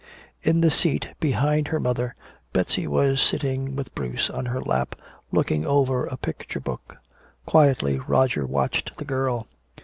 In the seat behind her mother, Betsy was sitting with Bruce in her lap, looking over a picture book. Quietly Roger watched the girl.